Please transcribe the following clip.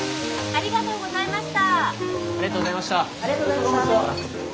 ありがとうございます。